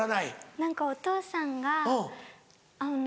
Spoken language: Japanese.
何かお父さんがあの。